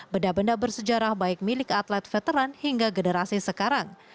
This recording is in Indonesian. benda benda bersejarah baik milik atlet veteran hingga generasi sekarang